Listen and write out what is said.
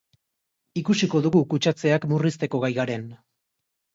Ikusiko dugu kutsatzeak murrizteko gai garen.